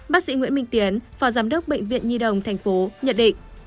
bác sĩ nguyễn minh tiến phó giám đốc bệnh viện nhi đồng tp nhận định